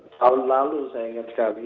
tahun lalu saya ingat sekali